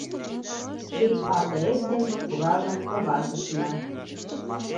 Ший алдырет ден пуражым овартышна.